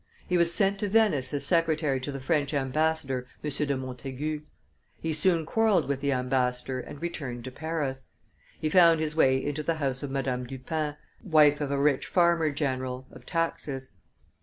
He was sent to Venice as secretary to the French ambassador M. de Montaigu. He soon quarrelled with the ambassador and returned to Paris. He found his way into the house of Madame Dupin, wife of a rich farmer general (of taxes).